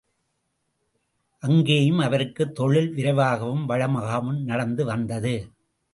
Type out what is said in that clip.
அங்கேயும் அவருக்கு தொழில் விரைவாகவும், வளமாகவும் நடந்து வந்தது.